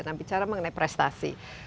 nah bicara mengenai prestasi